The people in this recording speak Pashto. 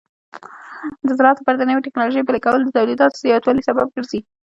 د زراعت لپاره د نوې ټکنالوژۍ پلي کول د تولیداتو زیاتوالي سبب ګرځي.